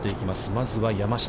まずは山下。